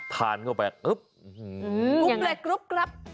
ทานเข้าไปกรุ๊ปเลยกรุ๊ปกรั๊บ